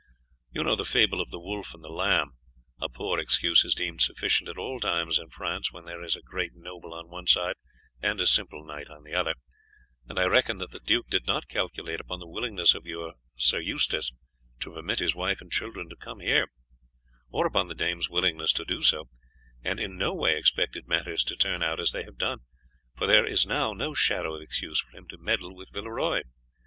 You know the fable of the wolf and the lamb; a poor excuse is deemed sufficient at all times in France when there is a great noble on one side and a simple knight on the other, and I reckon that the duke did not calculate upon the willingness of your Sir Eustace to permit his wife and children to come here, or upon the dame's willingness to do so, and in no way expected matters to turn out as they have done, for there is now no shadow of excuse for him to meddle with Villeroy.